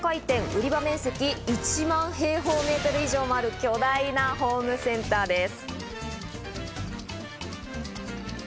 売り場面積１万平方メートル以上もある巨大なホームセンターです。